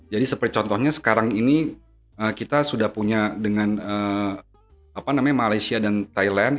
jadi seperti contohnya sekarang ini kita sudah punya dengan malaysia dan thailand